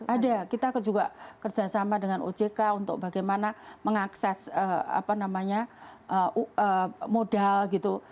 ada kita juga kerjasama dengan ojk untuk bagaimana mengakses modal gitu